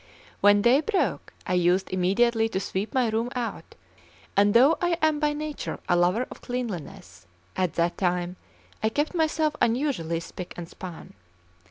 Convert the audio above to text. When day broke, I used immediately to sweep my room out; and though I am by nature a lover of cleanliness, at that time I kept myself unusually spick and span.